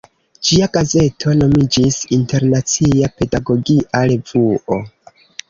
Ĝia gazeto nomiĝis "Internacia Pedagogia Revuo.